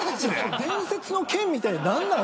伝説の剣みたいな何なん？